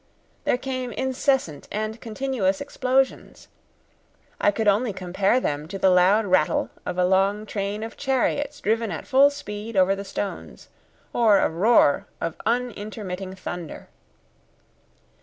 There came incessant and continuous explosions. I could only compare them to the loud rattle of a long train of chariots driven at full speed over the stones, or a roar of unintermitting thunder.